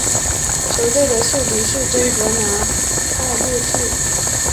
球队的宿敌是真格拿拜列治。